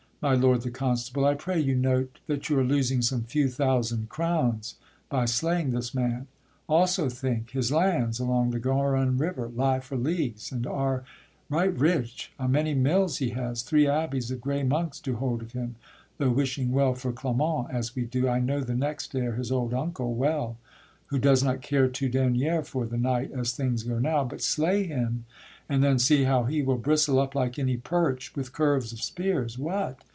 My Lord the Constable, I pray you note That you are losing some few thousand crowns By slaying this man; also think: his lands Along the Garonne river lie for leagues, And are right rich, a many mills he has, Three abbeys of grey monks do hold of him: Though wishing well for Clement, as we do, I know the next heir, his old uncle, well, Who does not care two deniers for the knight As things go now, but slay him, and then see, How he will bristle up like any perch, With curves of spears. What!